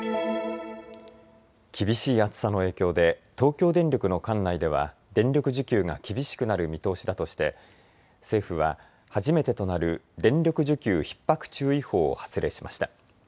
厳しい暑さの影響で東京電力の管内では電力需給が厳しくなる見通しだとして政府は初めてとなる電力需給ひっ迫注意報を発令しました。